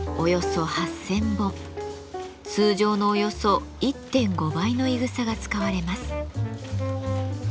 通常のおよそ１．５倍のいぐさが使われます。